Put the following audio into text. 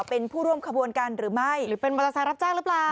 เป็นผู้ร่วมขบวนกันหรือไม่หรือเป็นมอเตอร์ไซค์รับจ้างหรือเปล่า